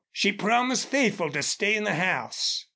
... She promised faithful to stay in the house."